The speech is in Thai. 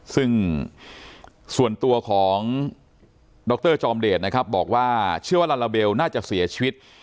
ซึ่งส่วนตัวของดรจอมเดชนะครับบอกว่าเชื่อว่าลาลาเบลน่าจะเสียชีวิต